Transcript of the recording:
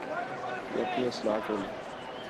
کہ اپنی اصلاح کر لیں